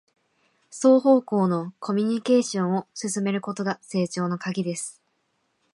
双方向のコミュニケーションを進めることが成長のカギです